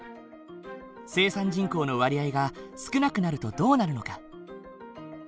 生産人口の割合が少なくなるとどうなるのか？